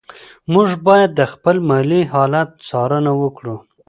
موږ باید د خپل مالي حالت څارنه وکړو.